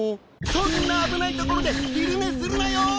そんな危ない所で昼寝するなよ！